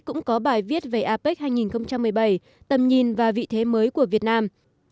cũng có bài viết về apec hai nghìn một mươi bảy tầm nhìn và vị thế mới của việt nam